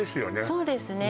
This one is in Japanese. そうですね